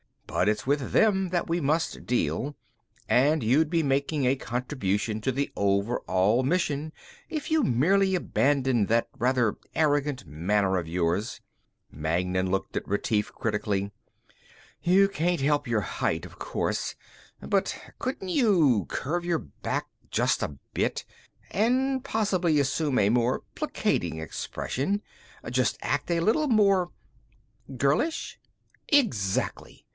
"But it's with them that we must deal. And you'd be making a contribution to the overall mission if you merely abandoned that rather arrogant manner of yours." Magnan looked at Retief critically. "You can't help your height, of course. But couldn't you curve your back just a bit and possibly assume a more placating expression? Just act a little more...." "Girlish?" "Exactly."